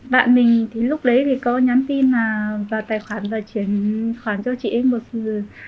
bạn mình thì lúc đấy thì có nhắn tin là vào tài khoản và chuyển khoản cho chị em một